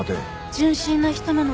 純真な人なのかも。